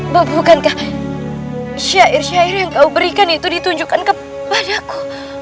bahwa bukankah syair syair yang kau berikan itu ditunjukkan kepadaku